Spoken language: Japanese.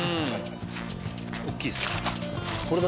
大きいですね。